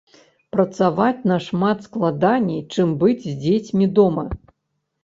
Працаваць нашмат складаней, чым быць з дзецьмі дома.